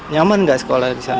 nyaman nggak sekolah di sana